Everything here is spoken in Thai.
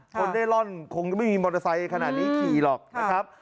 เร่ร่อนคงไม่มีมอเตอร์ไซค์ขนาดนี้ขี่หรอกนะครับ